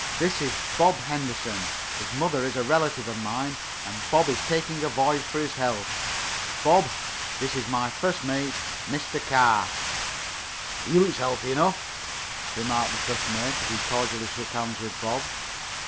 This is Bob Henderson. His mother is a relative of mine, and Bob is taking a voyage for his health. Bob, this is my first mate, Mr. Carr." "He looks healthy enough," remarked the first mate as he cordially shook hands with Bob.